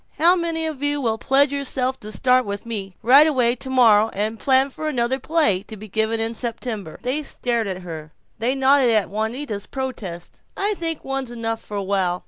How many of you will pledge yourselves to start in with me, right away, tomorrow, and plan for another play, to be given in September?" They stared at her; they nodded at Juanita's protest: "I think one's enough for a while.